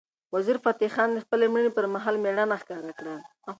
وزیرفتح خان د خپلې مړینې پر مهال مېړانه ښکاره کړه.